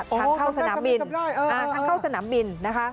ทางเข้าสนามบินทางเข้าสนามบินนะคะ